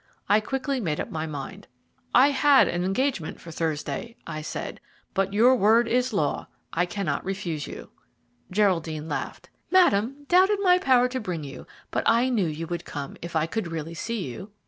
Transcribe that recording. I quickly made up my mind. "I had an engagement for Thursday," I said, "but your word is law I cannot refuse you." Geraldine laughed. "Madame doubted my power to bring you, but I knew you would come, if I could really see you."